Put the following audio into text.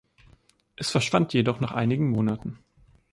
Es verschwand jedoch nach einigen Monaten.